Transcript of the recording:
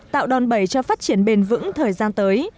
tạo đòn bẩy cho phát triển bền vững thời gian tới